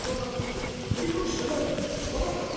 分かったか？」。